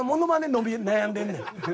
伸び悩んでんねん。